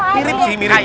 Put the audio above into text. mirip sih mirip sih ya